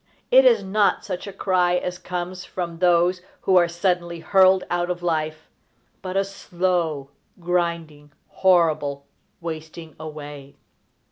It is not such a cry as comes from those who are suddenly hurled out of life, but a slow, grinding, horrible wasting away.